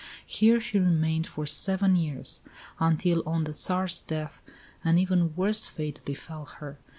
Here she remained for seven years, until, on the Tsar's death, an even worse fate befell her.